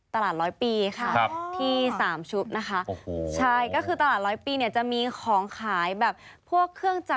มีที่นี่อีกนึง